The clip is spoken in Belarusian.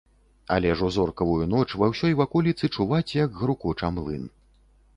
Але ж у зоркавую ноч ва ўсёй ваколіцы чуваць, як грукоча млын.